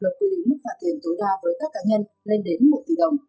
luật quy định mức phạt tiền tối đa với các cá nhân lên đến một tỷ đồng